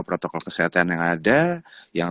protokol kesehatan yang ada yang